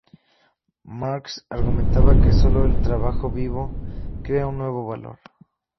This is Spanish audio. Marx argumentaba que sólo el trabajo vivo crea un nuevo valor.